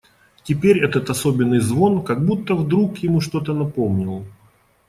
Теперь этот особенный звон как будто вдруг ему что-то напомнил.